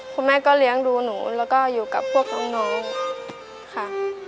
คุณแม่ก็เลี้ยงดูหนูแล้วก็อยู่กับพวกน้องค่ะ